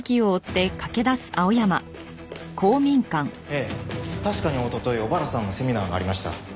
ええ確かにおととい尾原さんのセミナーがありました。